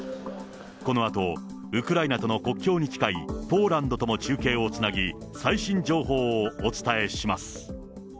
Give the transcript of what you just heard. このあと、ウクライナとの国境に近いポーランドとの中継をつなぎ、最新情報